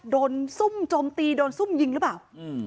โดนซุ่มจมตีโดนซุ่มยิงหรือเปล่าอื้ม